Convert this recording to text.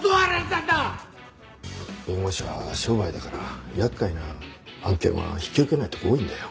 弁護士は商売だから厄介な案件は引き受けないとこ多いんだよ。